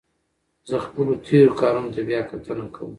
زه خپلو تېرو کارونو ته بیا کتنه کوم.